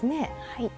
はい。